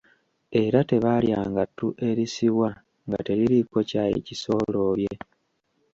Era tebaalyanga ttu erisibwa nga teririiko kyayi kisooloobye.